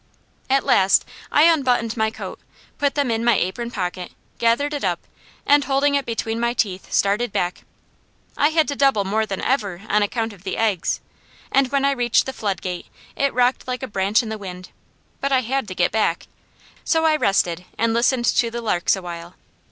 At last I unbuttoned my coat, put them in my apron front, gathered it up, and holding it between my teeth, started back. I had to double more than ever on account of the eggs, and when I reached the floodgate it rocked like a branch in the wind; but I had to get back, so I rested and listened to the larks a while.